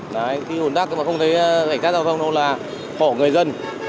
đấy khi ủng tắc mà không thấy cảnh sát giao thông đâu là khổ người dân